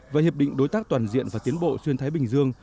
và hiệp định đối tác toàn diện và tiến bộ xuyên thái bình dương